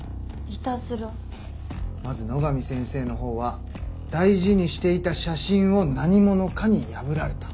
まず野上先生の方は大事にしていた写真を何者かに破られた。